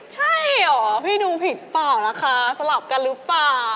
ใช่เหรอพี่ดูผิดเปล่านะคะสลับกันหรือเปล่า